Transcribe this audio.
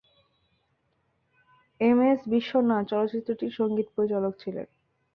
M S বিশ্বনাথ চলচ্চিত্রটির সঙ্গীত পরিচালক ছিলেন।